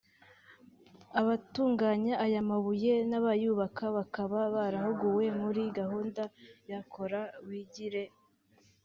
Abatunganya aya mabuye n’abayubaka bakaba barahuguwe muri gahunda ya Kora wigire